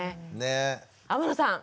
天野さん